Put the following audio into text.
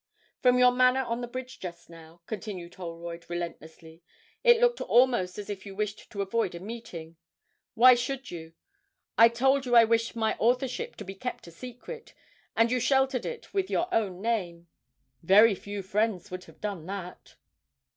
'From your manner on the bridge just now,' continued Holroyd, relentlessly, 'it looked almost as if you wished to avoid a meeting why should you? I told you I wished my authorship to be kept a secret, and you sheltered it with your own name. Very few friends would have done that!'